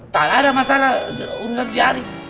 tak ada masalah urusan si arin